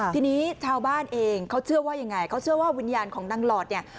ทีนี้ชาวบ้านเองเขาเชื่อว่ายังไงเขาเชื่อว่าวิญญาณของนางหลอดเนี่ย